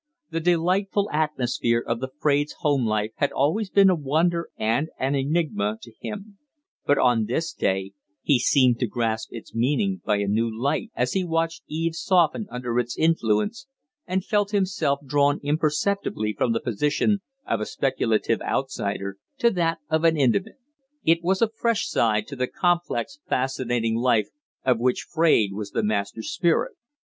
The delightful atmosphere of the Fraides' home life had always been a wonder and an enigma to him; but on this day he seemed to grasp its meaning by a new light, as he watched Eve soften under its influence and felt himself drawn imperceptibly from the position of a speculative outsider to that of an intimate. It was a fresh side to the complex, fascinating life of which Fraide was the master spirit.